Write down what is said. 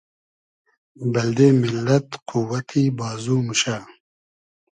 بئلدې میللئد قووئتی بازو موشۂ